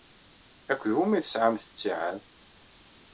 Akked wumi i tesɛamt ttiɛad?